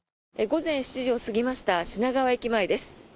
午前７時を過ぎました品川駅前です。